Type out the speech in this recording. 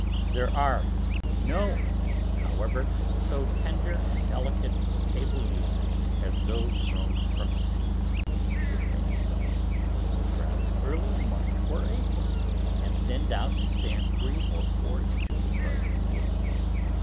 There are no onions, however, so tender and delicate for table use as those grown from seed, which may be sown in the open ground early in March or April and thinned out to stand three or four inches apart in the rows.